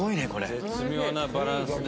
絶妙なバランスだよね。